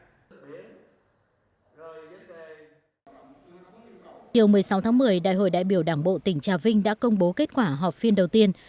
chiều một mươi sáu tháng một mươi đại hội đại biểu đảng bộ tỉnh trà vinh đã công bố kết quả họp phiên đầu tiên